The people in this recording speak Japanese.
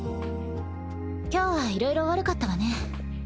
今日はいろいろ悪かったわね。